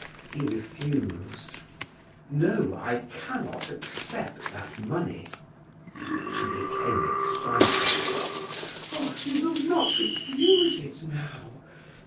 He refused: "No, I cannot accept that money." She became excited: "Oh, you will not refuse it now!